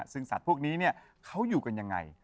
ซึ่งสัตว์พวกนี้เขาอยู่กันยังไง